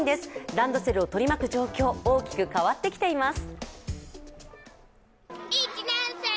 ランドセルを取り巻く状況、大きく変わってきています。